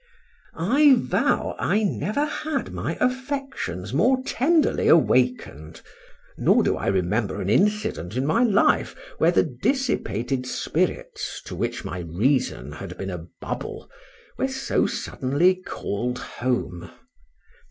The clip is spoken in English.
I vow I never had my affections more tenderly awakened; nor do I remember an incident in my life, where the dissipated spirits, to which my reason had been a bubble, were so suddenly call'd home.